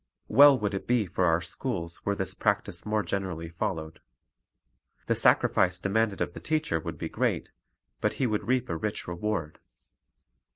Well would it be for our schools were this practise more generally followed. The sacrifice demanded of the teacher would be great, but he would reap a rich reward.